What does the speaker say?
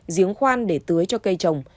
giếng khoan để tưới cho cây trồng